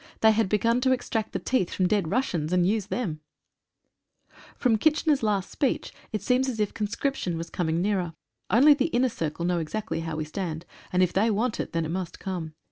They had begun to extract the teeth from dead Russians and use them ! From Kitchener's last speech it seems as if conscrip tion was coming nearer. Only the inner circle know exactly how we stand, and if they want it, then it must come.